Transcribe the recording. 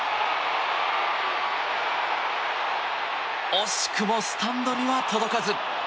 惜しくもスタンドには届かず。